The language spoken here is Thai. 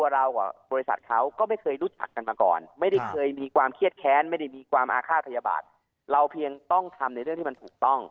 เราเพียงต้องทำในเรื่องที่มันถูกต้อง